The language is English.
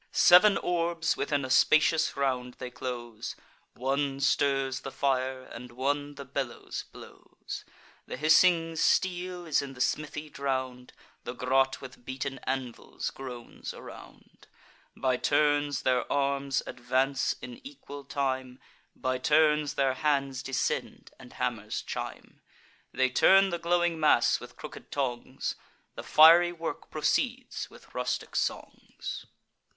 Sev'n orbs within a spacious round they close: One stirs the fire, and one the bellows blows. The hissing steel is in the smithy drown'd; The grot with beaten anvils groans around. By turns their arms advance, in equal time; By turns their hands descend, and hammers chime. They turn the glowing mass with crooked tongs; The fiery work proceeds, with rustic songs.